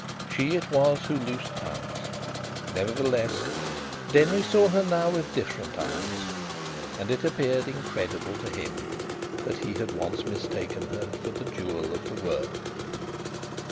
She it was who loosed tongues. Nevertheless, Denry saw her now with different eyes, and it appeared incredible to him that he had once mistaken her for the jewel of the world.